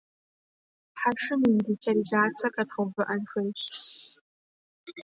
Нам надлежит предотвращать милитаризацию космоса.